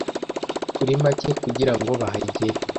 kuri make kugirango bahagere